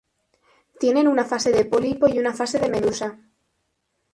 Tienen una fase de pólipo y una fase de medusa.